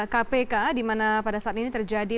kpk dimana pada saat ini terjadi